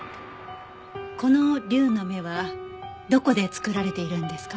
この龍の目はどこで作られているんですか？